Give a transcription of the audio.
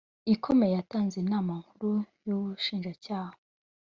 ikomeye yatanze Inama Nkuru y Ubushinjacyaha